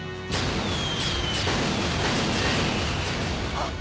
あっ！？